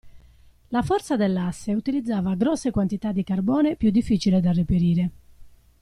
La forza dell'Asse utilizzava grosse quantità di carbone più difficile da reperire.